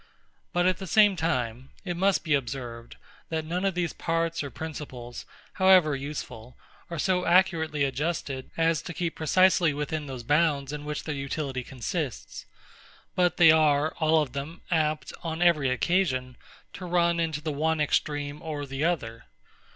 But at the same time, it must be observed, that none of these parts or principles, however useful, are so accurately adjusted, as to keep precisely within those bounds in which their utility consists; but they are, all of them, apt, on every occasion, to run into the one extreme or the other.